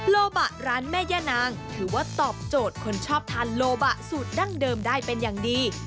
โลบะร้านแม่ย่านางถือว่าตอบโจทย์คนชอบทานโลบะสูตรดั้งเดิมได้เป็นอย่างดี